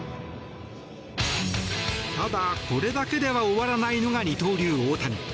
ただ、これだけでは終わらないのが二刀流・大谷。